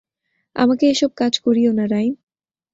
আমাকে এসব কাজ করিও না, রাইম।